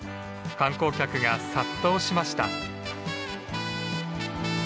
観光客が殺到しました。